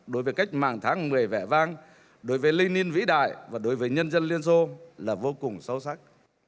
đối với cách mạng tháng một mươi vẻ vang đối với lenin vĩ đại và đối với nhân dân liên xô là vô cùng sâu sắc